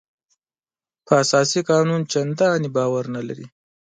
پر اساسي قانون چندانې باور نه لري.